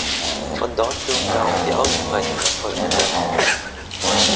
Von dort dürfte auch die Ausbreitung erfolgt sein.